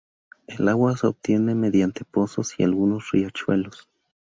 El agua se obtiene mediante pozos y algunos riachuelos.